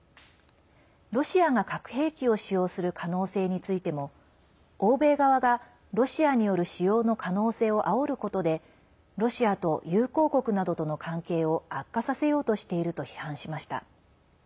ロシアが核兵器を使用する可能性についても欧米側が、ロシアによる使用の可能性をあおることでロシアと友好国などとの関係を悪化させようとしていると批判しました。